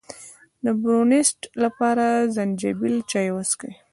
د برونشیت لپاره د زنجبیل چای وڅښئ